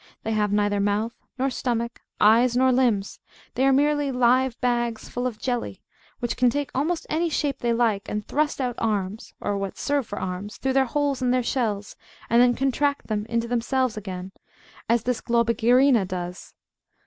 They have neither mouth nor stomach, eyes nor limbs. They are mere live bags full of jelly, which can take almost any shape they like, and thrust out arms or what serve for arms through the holes in their shells, and then contract them into themselves again, as this Globigerina does.